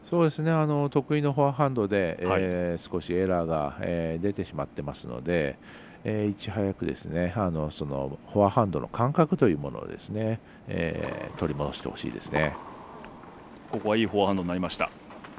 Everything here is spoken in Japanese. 得意のフォアハンドで少しエラーが出てしまってますのでいち早く、そのフォアハンドの感覚というものを取り戻してほしいですね。